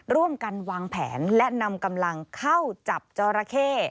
ร่วมกันวางแผนและนำกำลังเข้าจับจอราเข้